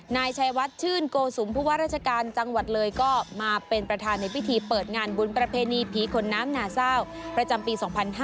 นายชัยวัดชื่นโกสุมผู้ว่าราชการจังหวัดเลยก็มาเป็นประธานในพิธีเปิดงานบุญประเพณีผีขนน้ำหนาเศร้าประจำปี๒๕๕๙